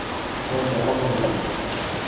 Fue enterrado en Durango.